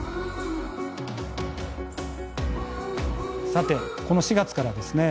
さてこの４月からですね